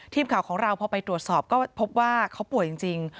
ทีมข่าวของเราพอไปตรวจสอบก็พบว่าเขาป่วยจริง